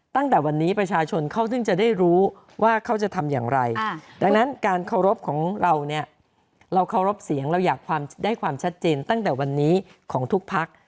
ตั้งแต่วันนี้ประชาชนเขาถึงจะได้รู้ว่าเขาจะทำอย่างไรดังนั้นการเคารพของเราเนี่ยเราเคารพเสียงเราอยากได้ความชัดเจนตั้งแต่วันนี้ของทุกพัก